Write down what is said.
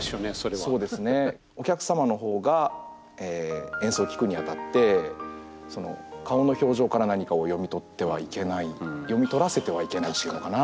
お客様の方が演奏を聴くにあたって顔の表情から何かを読み取ってはいけない読み取らせてはいけないというのかな。